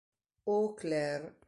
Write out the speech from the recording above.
Eau Claire